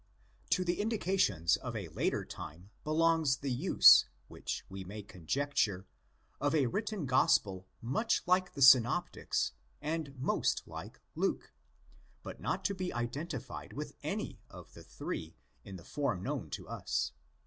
To the indications of a later time belongs the use, which we may conjecture, of a written Gospel much like the Synoptics and most like Luke, but not to be identified with any of the three in the form known to us.